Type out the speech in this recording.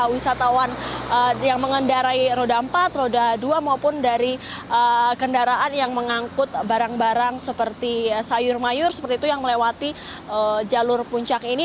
wisatawan yang mengendarai roda empat roda dua maupun dari kendaraan yang mengangkut barang barang seperti sayur mayur seperti itu yang melewati jalur puncak ini